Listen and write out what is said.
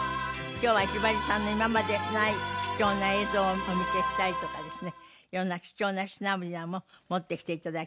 今日はひばりさんの今までない貴重な映像をお見せしたりとかですねいろんな貴重な品々も持ってきていただきました。